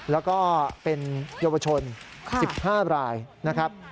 แล้วก็เป็นเยาวชน๑๕รายนะครับ